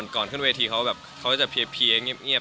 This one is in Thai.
ก่อนขึ้นเวทีเขาจะเพียบเงียบ